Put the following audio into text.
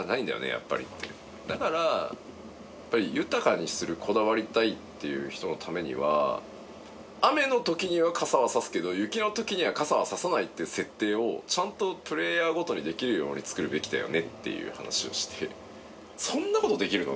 やっぱりってだからやっぱり豊かにするこだわりたいっていう人のためには雨の時には傘は差すけど雪の時には傘は差さないっていう設定をちゃんとプレーヤーごとにできるように作るべきだよねっていう話をしてそんなことできるの？